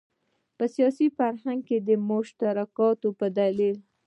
په سیاسي فرهنګ کې د مشترکاتو په دلیل.